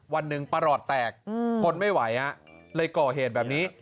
วันหนึ่งปรอดแตกอืมคนไม่ไหวอ่ะเลยก่อเหตุแบบนี้